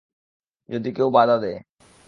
যদি কেউ বাদা দেয়।